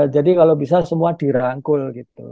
jadi kalau bisa semua dirangkul gitu